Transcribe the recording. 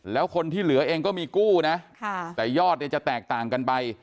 แล้วคนที่เหลือเองก็มีกู้นะแต่ยอดเนี่ยจะแตกต่างกันไป